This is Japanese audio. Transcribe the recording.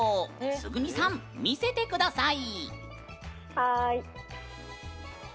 つぐみさん、見せてください。